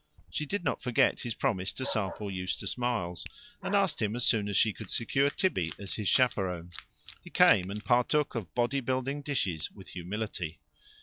She did not forget his promise to sample Eustace Miles, and asked him as soon as she could secure Tibby as his chaperon. He came, and partook of body building dishes with humility.